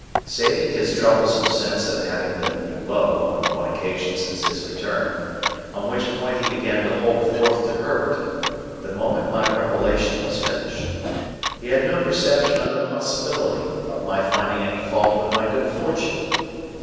Saving his troublesome sense of having been "low" on one occasion since his return,—on which point he began to hold forth to Herbert, the moment my revelation was finished,—he had no perception of the possibility of my finding any fault with my good fortune.